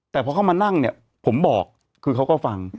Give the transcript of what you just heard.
แต่พอเข้ามานั่งเนี่ยผมบอกคือเขาก็ฟัง